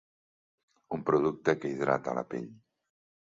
Un producte que hidrata la pell.